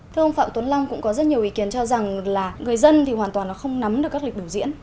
thưa ông phạm tuấn long cũng có rất nhiều ý kiến cho rằng là người dân thì hoàn toàn không nắm được các lịch biểu diễn